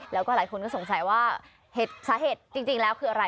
แล้วก็หลายคนก็สงสัยว่าสาเหตุจริงแล้วคืออะไร